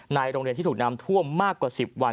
โรงเรียนที่ถูกน้ำท่วมมากกว่า๑๐วัน